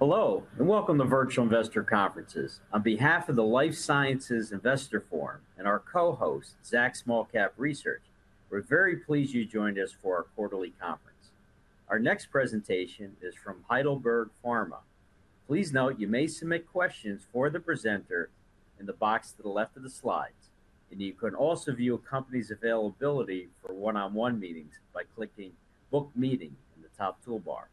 Hello, and welcome to Virtual Investor Conferences. On behalf of the Life Sciences Investor Forum and our co-host, Zacks Small Cap Research, we're very pleased you joined us for our quarterly conference. Our next presentation is from Heidelberg Pharma. Please note you may submit questions for the presenter in the box to the left of the slides. You can also view a company's availability for one-on-one meetings by clicking "Book Meeting" in the top toolbar.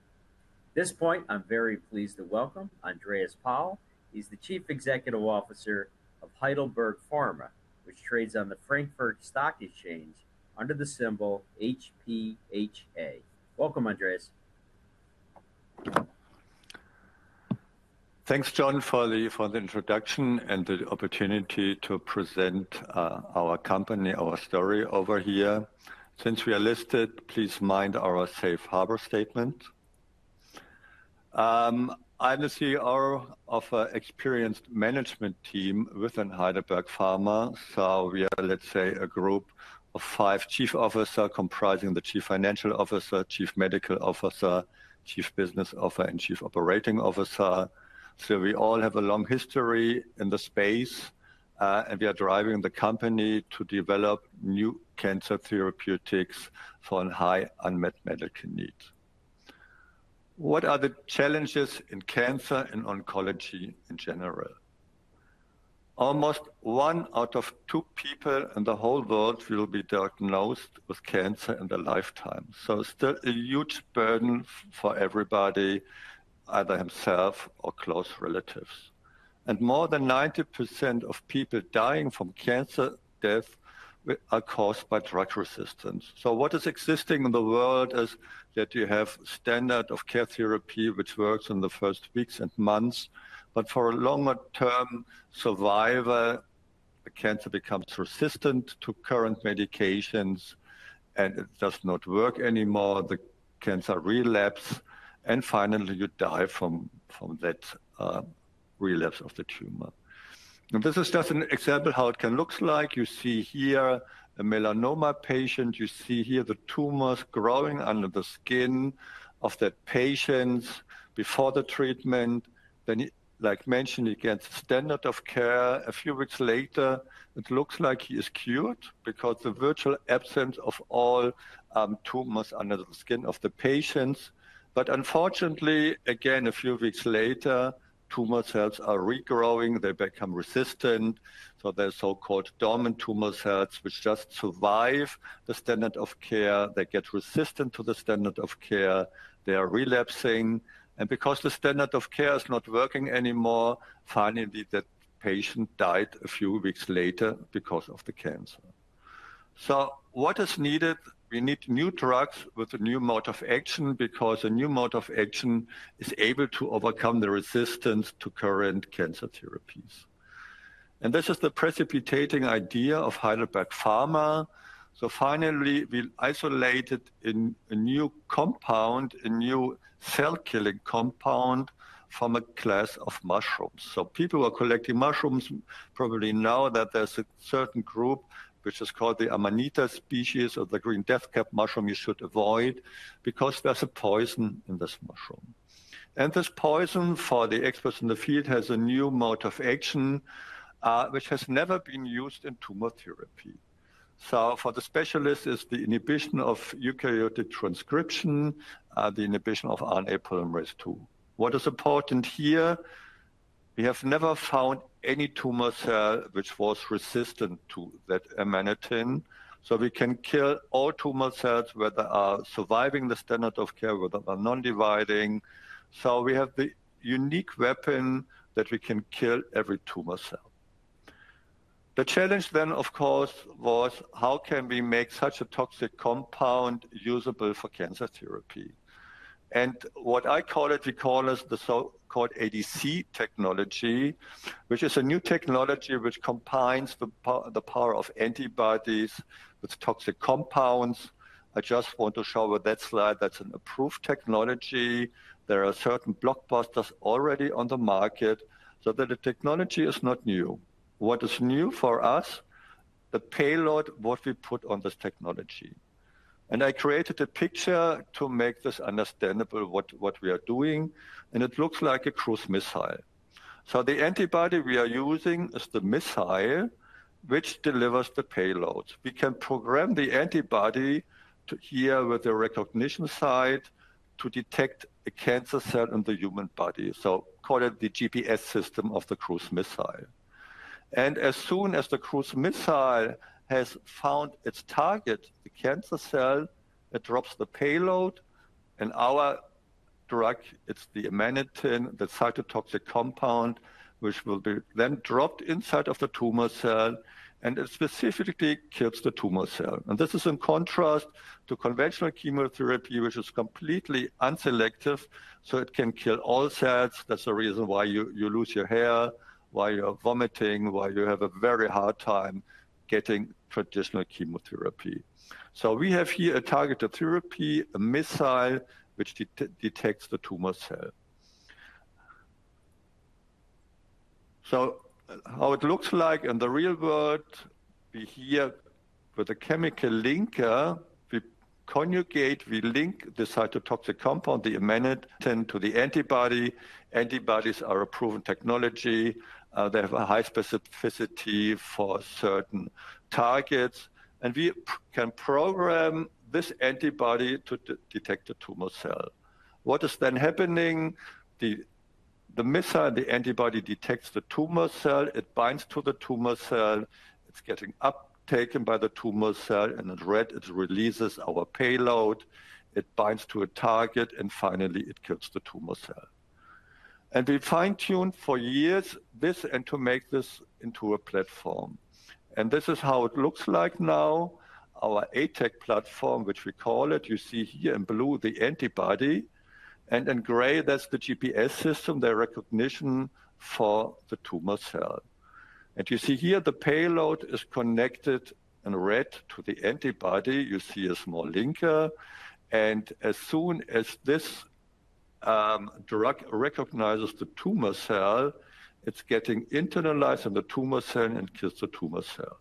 At this point, I'm very pleased to welcome Andreas Pahl. He's the Chief Executive Officer of Heidelberg Pharma, which trades on the Frankfurt Stock Exchange under the symbol HPHA. Welcome, Andreas. Thanks, John, for the introduction and the opportunity to present our company, our story over here. Since we are listed, please mind our safe harbor statement. I'm the CEO of an experienced management team within Heidelberg Pharma. We are, let's say, a group of five chief officers comprising the Chief Financial Officer, Chief Medical Officer, Chief Business Officer, and Chief Operating Officer. We all have a long history in the space, and we are driving the company to develop new cancer therapeutics for high unmet medical needs. What are the challenges in cancer and oncology in general? Almost one out of two people in the whole world will be diagnosed with cancer in their lifetime. It is still a huge burden for everybody, either themselves or close relatives. More than 90% of people dying from cancer death are caused by drug resistance. What is existing in the world is that you have a standard of care therapy which works in the first weeks and months. For a longer-term survival, the cancer becomes resistant to current medications, and it does not work anymore. The cancer relapses. Finally, you die from that relapse of the tumor. This is just an example of how it can look like. You see here a melanoma patient. You see here the tumors growing under the skin of that patient before the treatment. Like mentioned, against the standard of care, a few weeks later, it looks like he is cured because of the virtual absence of all tumors under the skin of the patients. Unfortunately, again, a few weeks later, tumor cells are regrowing. They become resistant. There are so-called dormant tumor cells which just survive the standard of care. They get resistant to the standard of care. They are relapsing. Because the standard of care is not working anymore, finally, that patient died a few weeks later because of the cancer. What is needed? We need new drugs with a new mode of action because a new mode of action is able to overcome the resistance to current cancer therapies. This is the precipitating idea of Heidelberg Pharma. Finally, we isolated a new compound, a new cell-killing compound from a class of mushrooms. People who are collecting mushrooms probably know that there is a certain group which is called the Amanita species of the green death cap mushroom you should avoid because there is a poison in this mushroom. This poison, for the experts in the field, has a new mode of action which has never been used in tumor therapy. For the specialists, it's the inhibition of eukaryotic transcription, the inhibition of RNA polymerase II. What is important here? We have never found any tumor cell which was resistant to that amanitin. We can kill all tumor cells, whether they are surviving the standard of care or whether they are non-dividing. We have the unique weapon that we can kill every tumor cell. The challenge then, of course, was how can we make such a toxic compound usable for cancer therapy? What I call it, we call it the so-called ADC technology, which is a new technology that combines the power of antibodies with toxic compounds. I just want to show with that slide that's an approved technology. There are certain blockbusters already on the market. The technology is not new. What is new for us? The payload, what we put on this technology. I created a picture to make this understandable, what we are doing. It looks like a cruise missile. The antibody we are using is the missile which delivers the payload. We can program the antibody here with the recognition site to detect a cancer cell in the human body. Call it the GPS system of the cruise missile. As soon as the cruise missile has found its target, the cancer cell, it drops the payload. Our drug, it's the Amanitin, the cytotoxic compound, which will be then dropped inside of the tumor cell and specifically kills the tumor cell. This is in contrast to conventional chemotherapy, which is completely unselective. It can kill all cells. That's the reason why you lose your hair, why you're vomiting, why you have a very hard time getting traditional chemotherapy. We have here a targeted therapy, a missile which detects the tumor cell. How it looks like in the real world, we're here with a chemical linker. We conjugate, we link the cytotoxic compound, the Amanitin, to the antibody. Antibodies are a proven technology. They have a high specificity for certain targets. We can program this antibody to detect the tumor cell. What is then happening? The missile, the antibody detects the tumor cell. It binds to the tumor cell. It's getting uptaken by the tumor cell. In red, it releases our payload. It binds to a target. Finally, it kills the tumor cell. We fine-tuned for years this and to make this into a platform. This is how it looks like now, our ATAC platform, which we call it. You see here in blue the antibody. In gray, that's the GPS system, the recognition for the tumor cell. You see here the payload is connected in red to the antibody. You see a small linker. As soon as this drug recognizes the tumor cell, it's getting internalized in the tumor cell and kills the tumor cell.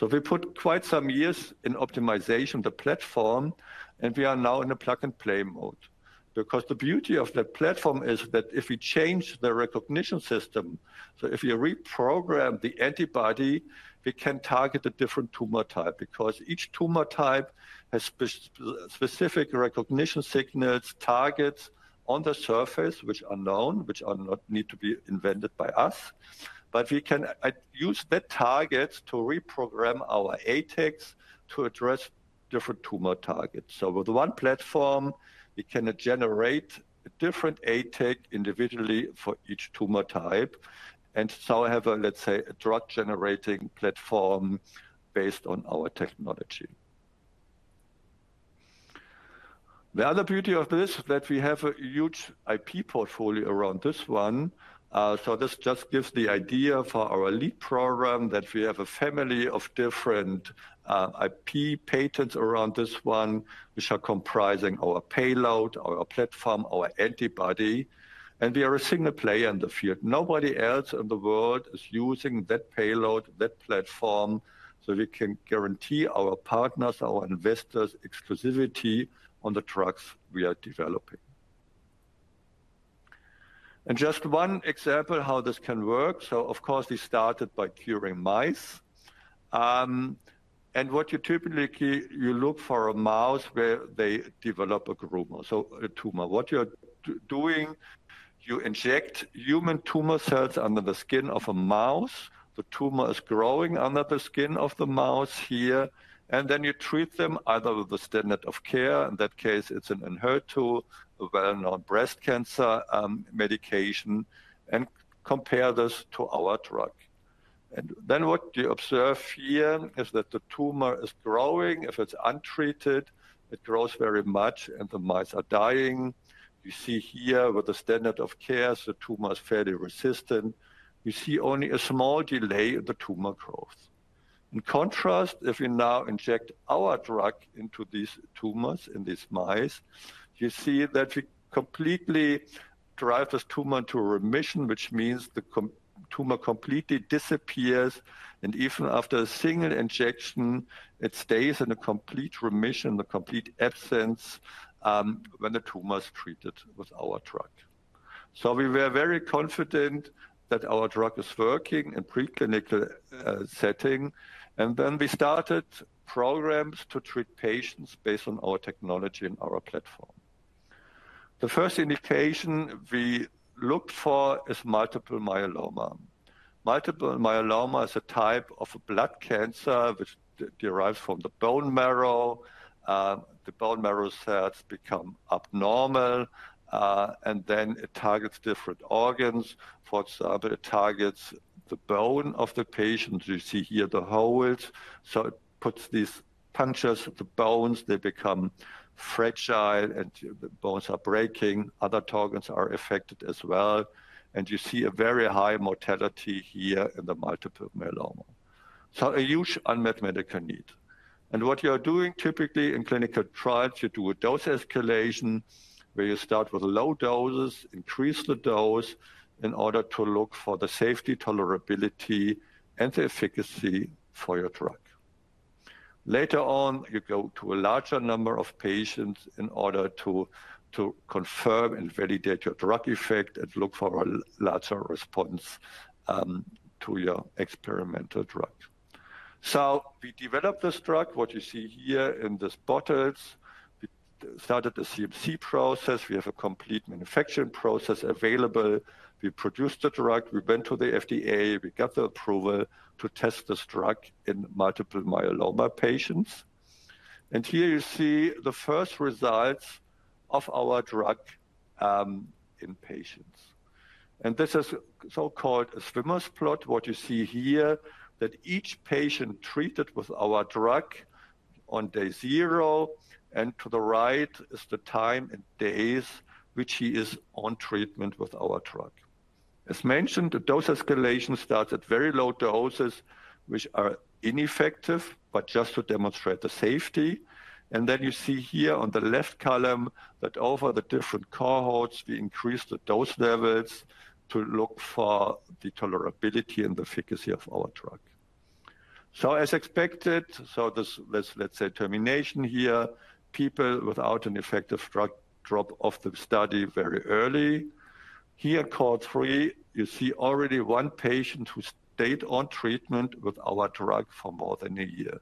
We put quite some years in optimization of the platform. We are now in a plug-and-play mode. The beauty of that platform is that if we change the recognition system, so if you reprogram the antibody, we can target a different tumor type because each tumor type has specific recognition signals, targets on the surface, which are known, which need to be invented by us. We can use that target to reprogram our ATACs to address different tumor targets. With one platform, we can generate a different ATAC individually for each tumor type. I have a, let's say, a drug-generating platform based on our technology. The other beauty of this is that we have a huge IP portfolio around this one. This just gives the idea for our lead program that we have a family of different IP patents around this one, which are comprising our payload, our platform, our antibody. We are a single player in the field. Nobody else in the world is using that payload, that platform. We can guarantee our partners, our investors, exclusivity on the drugs we are developing. Just one example of how this can work. Of course, we started by curing mice. What you typically look for is a mouse where they develop a tumor, so a tumor. What you're doing, you inject human tumor cells under the skin of a mouse. The tumor is growing under the skin of the mouse here. You treat them either with the standard of care. In that case, it's an inheritable, well-known breast cancer medication. You compare this to our drug. What you observe here is that the tumor is growing. If it's untreated, it grows very much, and the mice are dying. You see here with the standard of care, the tumor is fairly resistant. You see only a small delay in the tumor growth. In contrast, if we now inject our drug into these tumors in these mice, you see that we completely drive this tumor into remission, which means the tumor completely disappears. Even after a single injection, it stays in a complete remission, a complete absence when the tumor is treated with our drug. We were very confident that our drug is working in preclinical setting. We started programs to treat patients based on our technology and our platform. The first indication we looked for is multiple myeloma. Multiple myeloma is a type of blood cancer which derives from the bone marrow. The bone marrow cells become abnormal. It targets different organs. For example, it targets the bone of the patient. You see here the holes. It puts these punches at the bones. They become fragile, and the bones are breaking. Other organs are affected as well. You see a very high mortality here in the multiple myeloma. A huge unmet medical need. What you are doing typically in clinical trials, you do a dose escalation where you start with low doses, increase the dose in order to look for the safety, tolerability, and the efficacy for your drug. Later on, you go to a larger number of patients in order to confirm and validate your drug effect and look for a larger response to your experimental drug. We developed this drug, what you see here in these bottles. We started the CMC process. We have a complete manufacturing process available. We produced the drug. We went to the FDA. We got the approval to test this drug in multiple myeloma patients. Here you see the first results of our drug in patients. This is so-called a Swimmer's plot. What you see here, that each patient treated with our drug on day zero. To the right is the time in days which he is on treatment with our drug. As mentioned, the dose escalation starts at very low doses, which are ineffective, but just to demonstrate the safety. You see here on the left column that over the different cohorts, we increased the dose levels to look for the tolerability and the efficacy of our drug. As expected, termination here. People without an effective drug drop off the study very early. Here, cohort three, you see already one patient who stayed on treatment with our drug for more than a year.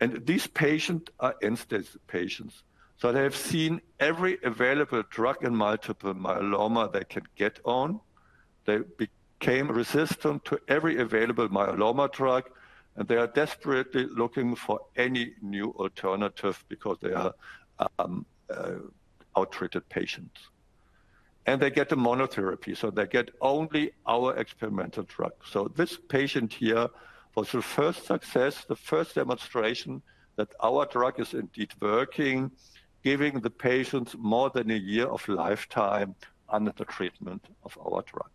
These patients are end-stage patients. They have seen every available drug in multiple myeloma they can get on. They became resistant to every available myeloma drug. They are desperately looking for any new alternative because they are out-treated patients. They get the monotherapy. They get only our experimental drug. This patient here was the first success, the first demonstration that our drug is indeed working, giving the patients more than a year of lifetime under the treatment of our drug.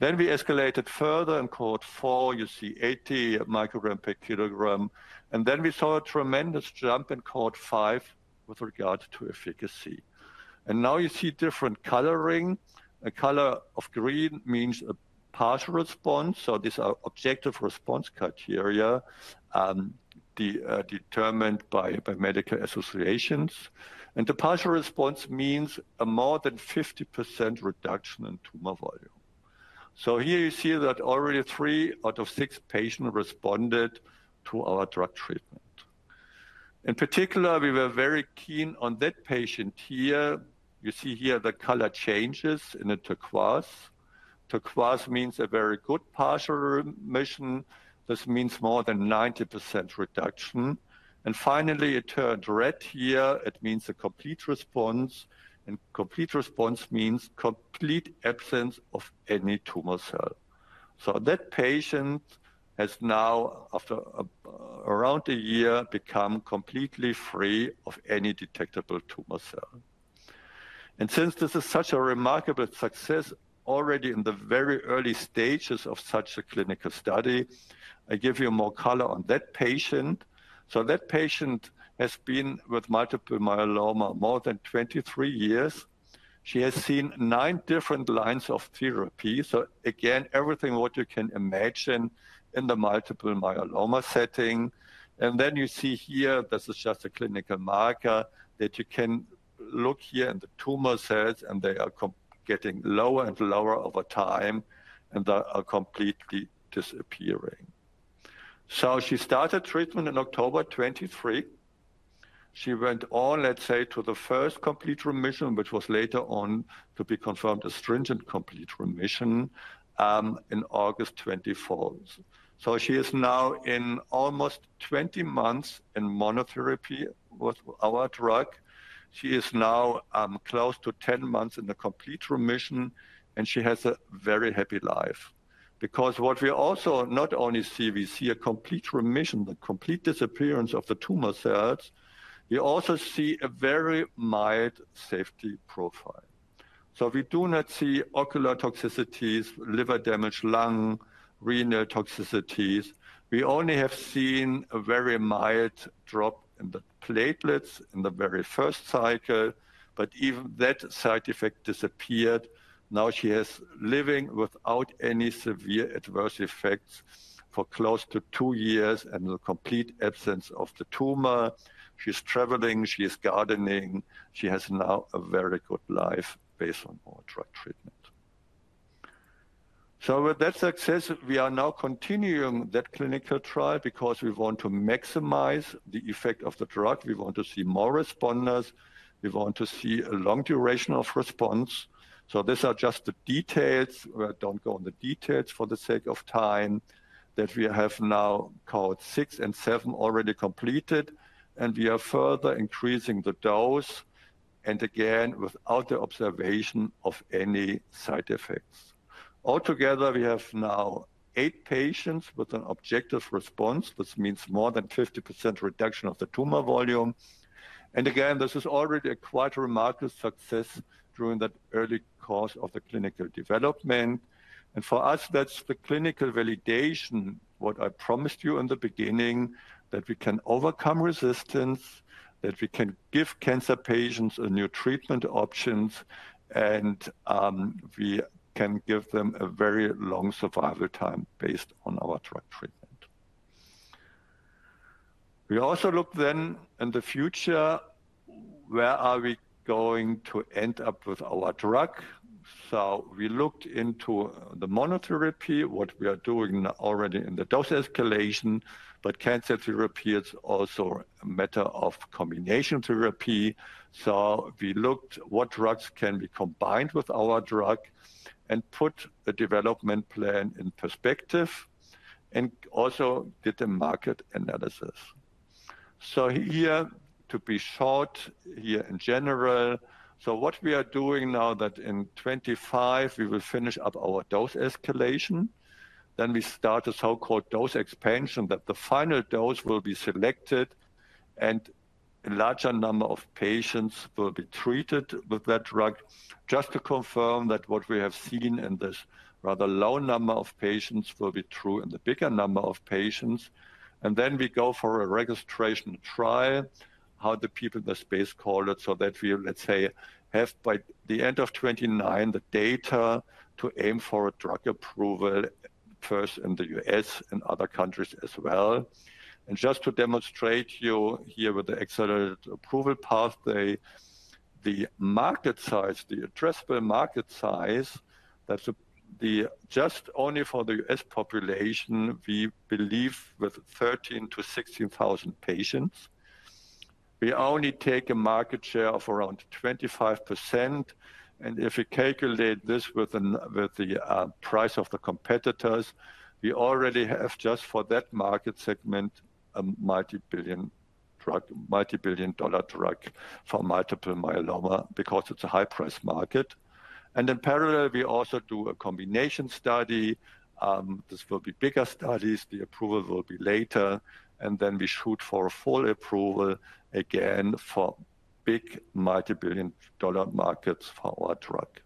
We escalated further in cohort four. You see 80 microgram per kilogram. We saw a tremendous jump in cohort five with regards to efficacy. Now you see different coloring. A color of green means a partial response. These are objective response criteria determined by medical associations. The partial response means a more than 50% reduction in tumor volume. Here you see that already three out of six patients responded to our drug treatment. In particular, we were very keen on that patient here. You see here the color changes in the turquoise. Turquoise means a very good partial remission. This means more than 90% reduction. Finally, it turned red here. It means a complete response. Complete response means complete absence of any tumor cell. That patient has now, after around a year, become completely free of any detectable tumor cell. Since this is such a remarkable success already in the very early stages of such a clinical study, I give you more color on that patient. That patient has been with multiple myeloma more than 23 years. She has seen nine different lines of therapy. Again, everything what you can imagine in the multiple myeloma setting. You see here, this is just a clinical marker, that you can look here in the tumor cells, and they are getting lower and lower over time. They are completely disappearing. She started treatment in October 2023. She went on, let's say, to the first complete remission, which was later on to be confirmed a stringent complete remission in August 2024. She is now in almost 20 months in monotherapy with our drug. She is now close to 10 months in the complete remission. She has a very happy life. Because what we also not only see, we see a complete remission, the complete disappearance of the tumor cells. We also see a very mild safety profile. We do not see ocular toxicities, liver damage, lung, renal toxicities. We only have seen a very mild drop in the platelets in the very first cycle. Even that side effect disappeared. Now she is living without any severe adverse effects for close to two years and the complete absence of the tumor. She is traveling. She is gardening. She has now a very good life based on our drug treatment. With that success, we are now continuing that clinical trial because we want to maximize the effect of the drug. We want to see more responders. We want to see a long duration of response. These are just the details. We do not go on the details for the sake of time that we have now called six and seven already completed. We are further increasing the dose. Again, without the observation of any side effects. Altogether, we have now eight patients with an objective response, which means more than 50% reduction of the tumor volume. Again, this is already quite a remarkable success during that early course of the clinical development. For us, that's the clinical validation, what I promised you in the beginning, that we can overcome resistance, that we can give cancer patients new treatment options, and we can give them a very long survival time based on our drug treatment. We also looked then in the future, where are we going to end up with our drug? We looked into the monotherapy, what we are doing already in the dose escalation. Cancer therapy, it's also a matter of combination therapy. We looked at what drugs can be combined with our drug and put a development plan in perspective and also did a market analysis. Here, to be short, here in general, what we are doing now, that in 2025, we will finish up our dose escalation. We start a so-called dose expansion, that the final dose will be selected and a larger number of patients will be treated with that drug, just to confirm that what we have seen in this rather low number of patients will be true in the bigger number of patients. We go for a registration trial, how the people in the space call it, so that we, let's say, have by the end of 2029 the data to aim for a drug approval first in the U.S. and other countries as well. Just to demonstrate to you here with the accelerated approval path, the market size, the addressable market size, that is just only for the U.S. population, we believe with 13,000-16,000 patients. We only take a market share of around 25%. If we calculate this with the price of the competitors, we already have just for that market segment a multibillion-dollar drug for multiple myeloma because it's a high-priced market. In parallel, we also do a combination study. This will be bigger studies. The approval will be later. We shoot for a full approval again for big multibillion-dollar markets for our drug.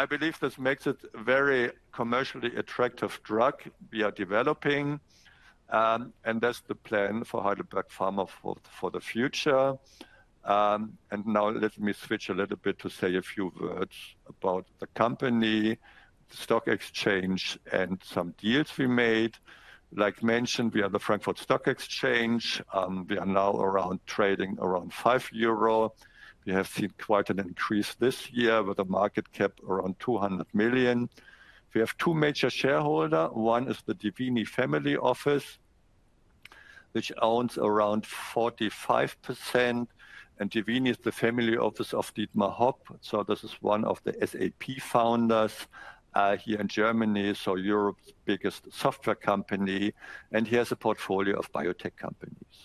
I believe this makes it a very commercially attractive drug we are developing. That's the plan for Heidelberg Pharma for the future. Let me switch a little bit to say a few words about the company, the stock exchange, and some deals we made. Like mentioned, we are on the Frankfurt Stock Exchange. We are now trading around 5 euro. We have seen quite an increase this year with a market cap around 200 million. We have two major shareholders. One is the Dievini Family Office, which owns around 45%. Dievini is the family office of Dietmar Hopp. This is one of the SAP founders here in Germany, Europe's biggest software company. He has a portfolio of biotech companies.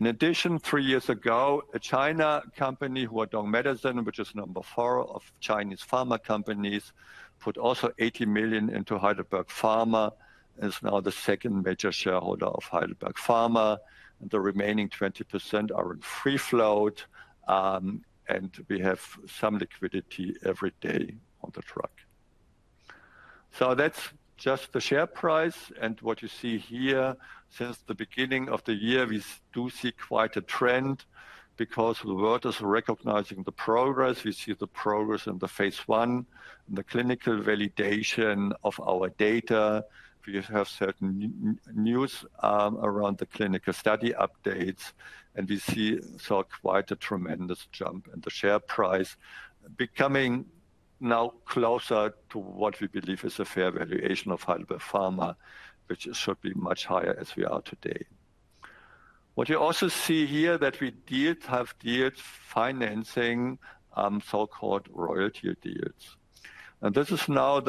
In addition, three years ago, a China company, Huadong Medicine, which is number four of Chinese pharma companies, put also 80 million into Heidelberg Pharma. It is now the second major shareholder of Heidelberg Pharma. The remaining 20% are in free float. We have some liquidity every day on the drug. That is just the share price. What you see here, since the beginning of the year, we do see quite a trend because the world is recognizing the progress. We see the progress in the phase one, in the clinical validation of our data. We have certain news around the clinical study updates. We see quite a tremendous jump in the share price, becoming now closer to what we believe is a fair valuation of Heidelberg Pharma, which should be much higher as we are today. What you also see here is that we have deals financing so-called royalty deals. This is now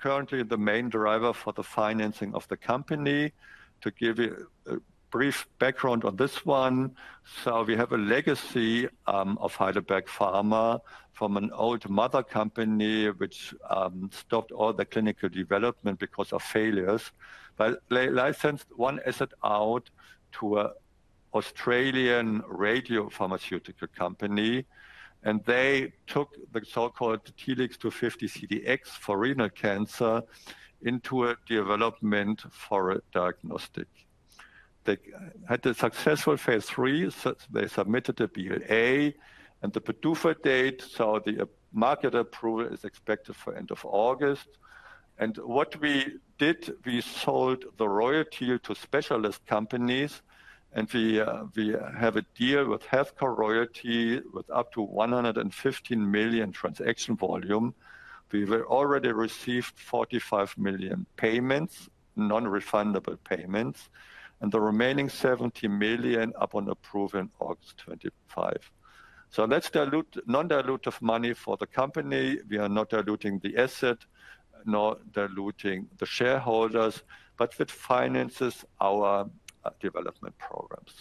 currently the main driver for the financing of the company. To give you a brief background on this one, we have a legacy of Heidelberg Pharma from an old mother company, which stopped all the clinical development because of failures. They licensed one asset out to an Australian radiopharmaceutical company. They took the so-called TLX250-CDx for renal cancer into a development for a diagnostic. They had a successful phase three. They submitted a BLA. The PDUFA date, so the market approval, is expected for end of August. What we did, we sold the royalty to specialist companies. We have a deal with Healthcare Royalty with up to 115 million transaction volume. We already received 45 million payments, non-refundable payments. The remaining 70 million upon approval in August 2025. That is non-dilutive money for the company. We are not diluting the asset, not diluting the shareholders, but it finances our development programs.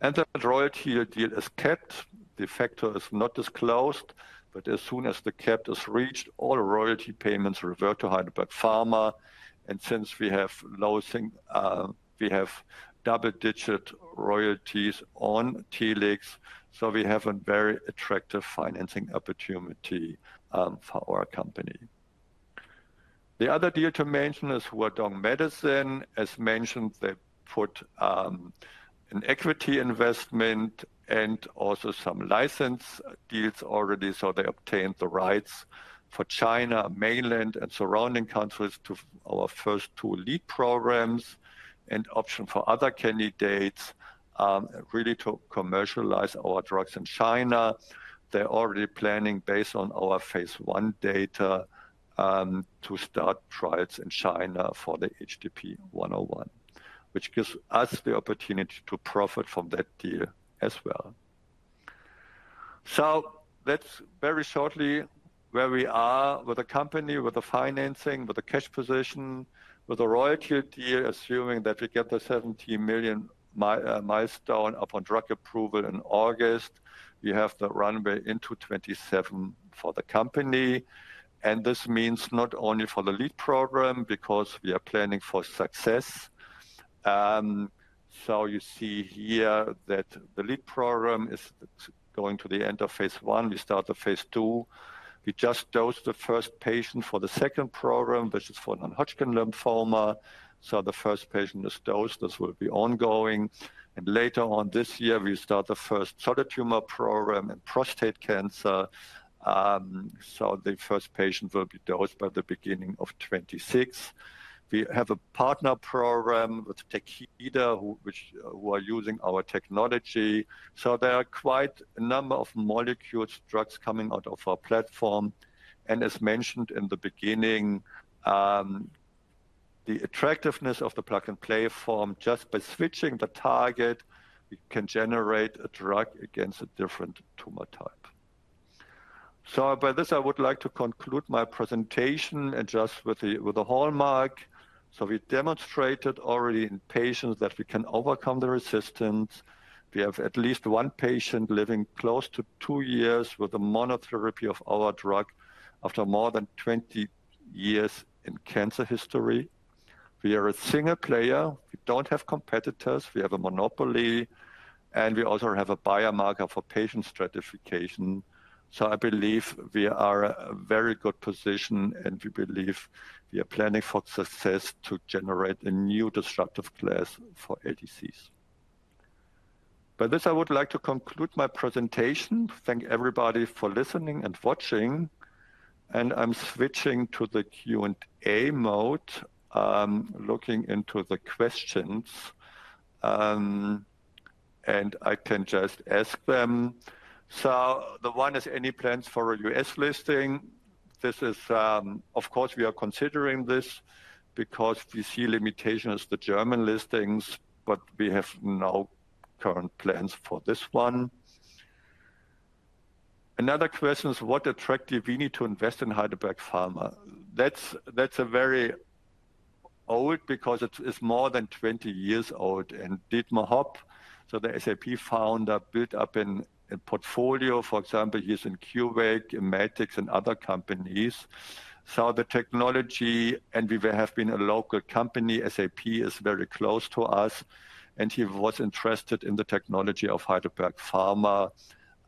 The royalty deal is kept. The factor is not disclosed. As soon as the cap is reached, all royalty payments revert to Heidelberg Pharma. Since we have double-digit royalties on TLX, we have a very attractive financing opportunity for our company. The other deal to mention is Huadong Medicine. As mentioned, they put an equity investment and also some license deals already. They obtained the rights for China, mainland, and surrounding countries to our first two lead programs and option for other candidates, really to commercialize our drugs in China. They're already planning based on our phase I data to start trials in China for the HDP-101, which gives us the opportunity to profit from that deal as well. That's very shortly where we are with the company, with the financing, with the cash position, with the royalty deal, assuming that we get the 70 million milestone upon drug approval in August. We have the runway into 2027 for the company. This means not only for the lead program, because we are planning for success. You see here that the lead program is going to the end of phase I. We start the phase II. We just dosed the first patient for the second program, which is for non-Hodgkin lymphoma. The first patient is dosed. This will be ongoing. Later on this year, we start the first solid tumor program in prostate cancer. The first patient will be dosed by the beginning of 2026. We have a partner program with Techida, who are using our technology. There are quite a number of molecules, drugs coming out of our platform. As mentioned in the beginning, the attractiveness of the plug-and-play form, just by switching the target, we can generate a drug against a different tumor type. By this, I would like to conclude my presentation and just with a hallmark. We demonstrated already in patients that we can overcome the resistance. We have at least one patient living close to two years with a monotherapy of our drug after more than 20 years in cancer history. We are a single player. We do not have competitors. We have a monopoly. We also have a biomarker for patient stratification. I believe we are in a very good position. We believe we are planning for success to generate a new disruptive class for LDCs. By this, I would like to conclude my presentation. Thank everybody for listening and watching. I am switching to the Q&A mode, looking into the questions. I can just ask them. The one is, any plans for a U.S. listing? This is, of course, we are considering this because we see limitations to German listings, but we have no current plans for this one. Another question is, what attractive we need to invest in Heidelberg Pharma? That's very old because it's more than 20 years old. And Dietmar Hopp, so the SAP founder, built up a portfolio, for example, he's in Qwave, Emmetics, and other companies. The technology, and we have been a local company. SAP is very close to us. He was interested in the technology of Heidelberg Pharma.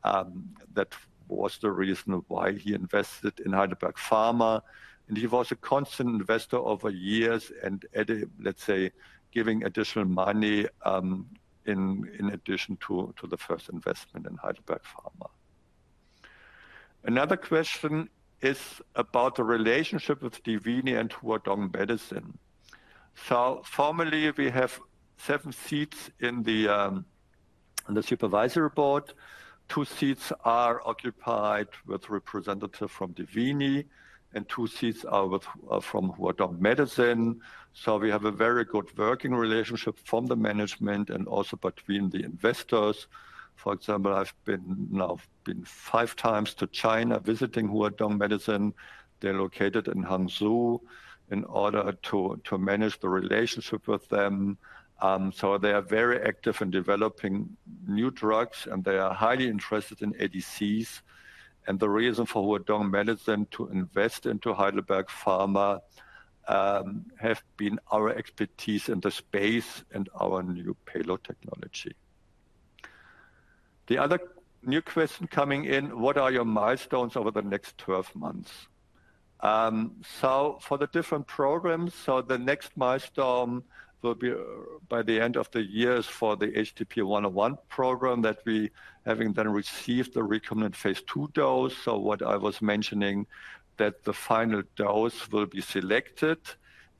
That was the reason why he invested in Heidelberg Pharma. He was a constant investor over years and, let's say, giving additional money in addition to the first investment in Heidelberg Pharma. Another question is about the relationship with Dievini and Huadong Medicine. Formally, we have seven seats in the supervisory board. Two seats are occupied with representatives from Dievini, and two seats are from Huadong Medicine. We have a very good working relationship from the management and also between the investors. For example, I've been five times to China visiting Huadong Medicine. They're located in Hangzhou in order to manage the relationship with them. They are very active in developing new drugs, and they are highly interested in ADCs. The reason for Huadong Medicine to invest into Heidelberg Pharma has been our expertise in the space and our new payload technology. The other new question coming in, what are your milestones over the next 12 months? For the different programs, the next milestone will be by the end of the year for the HDP-101 program that we haven't then received the recombinant phase II dose. What I was mentioning, that the final dose will be selected,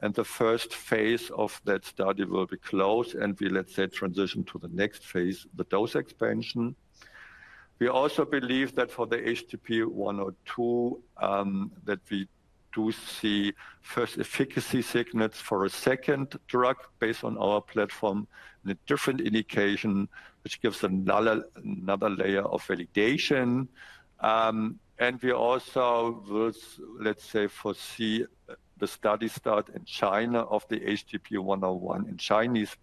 and the first phase of that study will be closed, and we, let's say, transition to the next phase, the dose expansion. We also believe that for the HDP-102, that we do see first efficacy signals for a second drug based on our platform in a different indication, which gives another layer of validation. We also will, let's say, foresee the study start in China of the HDP-101 in Chinese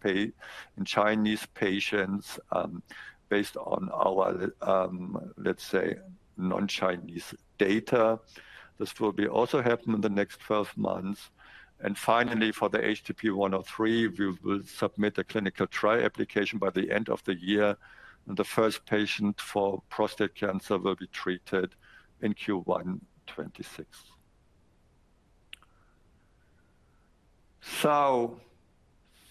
patients based on our, let's say, non-Chinese data. This will also happen in the next 12 months. Finally, for the HDP-103, we will submit a clinical trial application by the end of the year. The first patient for prostate cancer will be treated in Q1 2026.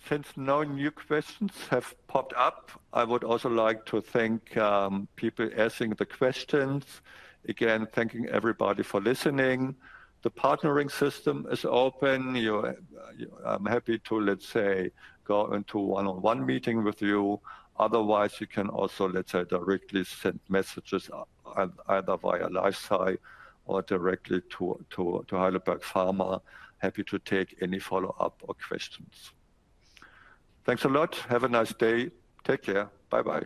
Since no new questions have popped up, I would also like to thank people asking the questions. Again, thanking everybody for listening. The partnering system is open. I'm happy to, let's say, go into one-on-one meeting with you. Otherwise, you can also, let's say, directly send messages either via live site or directly to Heidelberg Pharma. Happy to take any follow-up or questions. Thanks a lot. Have a nice day. Take care. Bye-bye.